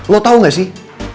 lo tau gak sih